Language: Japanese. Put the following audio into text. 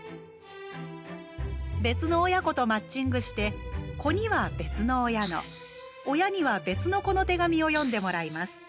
別の親子とマッチングして子には別の親の親には別の子の手紙を読んでもらいます。